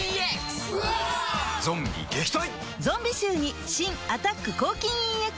ゾンビ臭に新「アタック抗菌ＥＸ」